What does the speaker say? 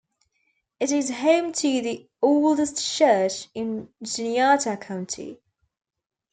It is home to the oldest church in Juniata County.